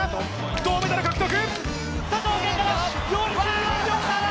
銅メダル獲得！